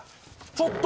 ちょっと！